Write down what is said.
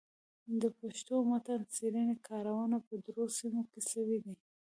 د پښتو متن څېړني کارونه په درو سيمو کي سوي دي.